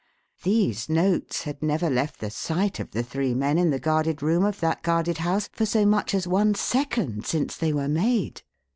These notes had never left the sight of the three men in the guarded room of that guarded house for so much as one second since they were made.